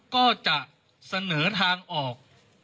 ก็จะเสนอทางออก